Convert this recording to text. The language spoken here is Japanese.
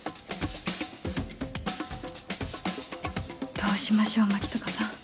どうしましょう牧高さん。